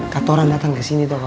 katoran datang ke sini toh kawan